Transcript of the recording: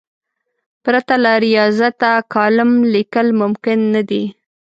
پرته له ریاضته کالم لیکل ممکن نه دي.